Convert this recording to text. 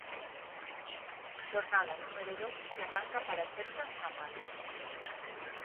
Xornada número doce que arranca para o Celta en San Mamés.